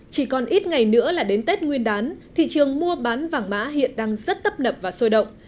chỉ còn ít ngày nữa là đến tết nguyên đán thị trường mua bán vàng mã hiện đang rất tấp nập và sôi động